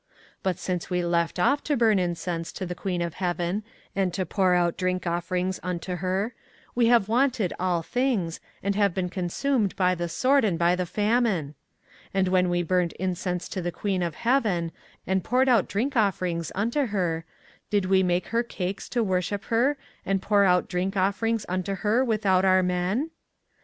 24:044:018 But since we left off to burn incense to the queen of heaven, and to pour out drink offerings unto her, we have wanted all things, and have been consumed by the sword and by the famine. 24:044:019 And when we burned incense to the queen of heaven, and poured out drink offerings unto her, did we make her cakes to worship her, and pour out drink offerings unto her, without our men?